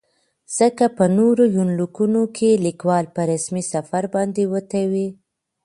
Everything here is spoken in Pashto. ځکه په نورو يونليکونو کې ليکوال په رسمي سفر باندې وتى و.